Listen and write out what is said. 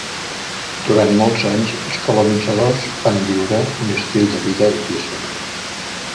Durant molts anys, els colonitzadors van viure un estil de vida difícil.